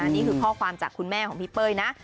นี่คือข้อความจากคุณแม่ของพี่เป้ยนะ